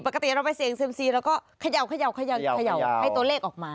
ปกติเราไปเสี่ยงเซียมซีเราก็เขย่าให้ตัวเลขออกมา